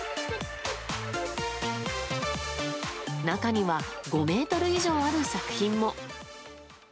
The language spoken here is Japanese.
中には５ｍ以上ある作品も。